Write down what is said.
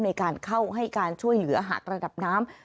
ในการเข้าให้การช่วยเหลือหากระดับน้ำ